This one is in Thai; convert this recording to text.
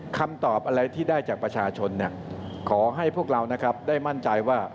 คำตอบอะไรที่ได้จากประชาชนขอให้พวกเรานะครับได้มั่นใจว่า